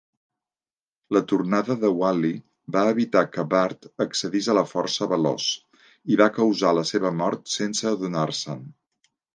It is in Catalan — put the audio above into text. La tornada de Wally va evitar que Bart accedís a la força veloç, i va causar la seva mort sense adonar-se'n.